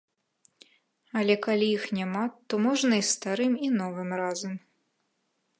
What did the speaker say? Але калі іх няма, то можна і старымі, і новымі разам.